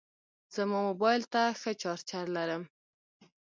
زما موبایل ته ښه چارجر لرم.